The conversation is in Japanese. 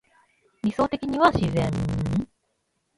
理想的には自然